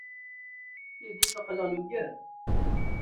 S tidet aql-aɣ nugad.